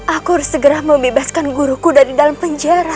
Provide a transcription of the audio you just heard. aku harus segera membebaskan guruku dari dalam penjara